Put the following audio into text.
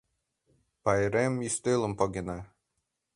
Пайрем ӱстелым погена.